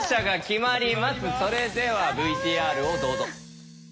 それではＶＴＲをどうぞ。